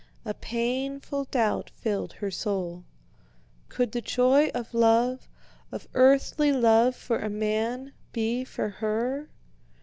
A painful doubt filled her soul. Could the joy of love, of earthly love for a man, be for her?